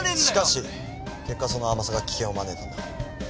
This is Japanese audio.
しかし結果その甘さが危険を招いたんだ。